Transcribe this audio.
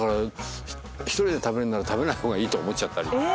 １人で食べるなら食べない方がいいと思っちゃったり。